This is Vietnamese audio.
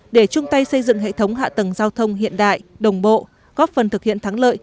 để chung tay xây dựng hệ thống hạ tầng giao thông hiện đại đồng bộ góp phần thực hiện thắng lợi